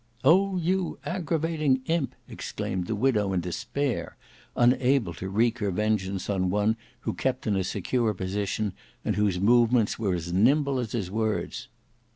"O! you aggravating imp!" exclaimed the widow in despair, unable to wreak her vengeance on one who kept in a secure position, and whose movements were as nimble as his words.